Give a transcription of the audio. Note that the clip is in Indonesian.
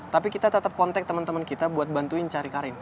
tapi kita tetep kontak temen temen kita buat bantuin cari karin